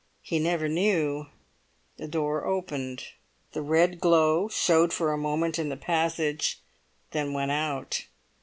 He never knew. The door opened. The red glow showed for a moment in the passage, then went out.